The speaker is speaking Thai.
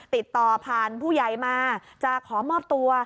ติดต่อผ่านผู้ใหญ่มาจะขอมอบตัว